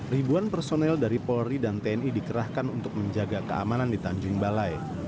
ribuan personel dari polri dan tni dikerahkan untuk menjaga keamanan di tanjung balai